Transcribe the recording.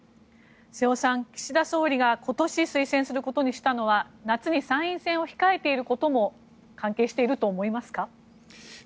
瀬尾さん、岸田総理が今年、推薦することにしたのは夏に参院選を控えていることも関係していると思いますか？